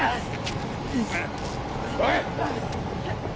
おい！